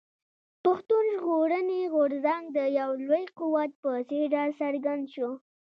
پښتون ژغورني غورځنګ د يو لوی قوت په څېر راڅرګند شو.